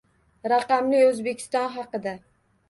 Raqamli O'zbekiston haqida